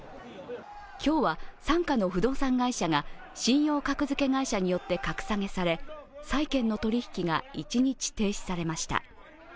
今日は傘下の不動産会社が信用格付け会社によって格下げされ債券の取引が一日停止されました。